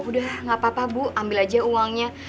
udah gak apa apa bu ambil aja uangnya